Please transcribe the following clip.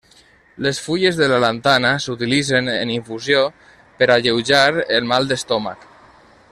Les fulles de la lantana s'utilitzen en infusió per alleujar el mal d'estómac.